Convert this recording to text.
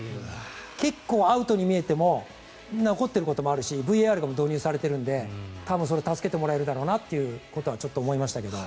結構アウトに見えても残っていることもあるしＶＡＲでも導入されているので助けられるなというちょっと思いましたけど。